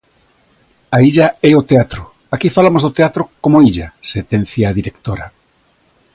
"A illa é o teatro, aquí falamos do teatro como illa", sentencia a directora.